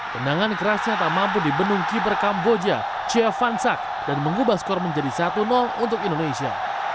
penangan kerasnya tak mampu di benung kiber kamboja chia van sak dan mengubah skor menjadi satu untuk indonesia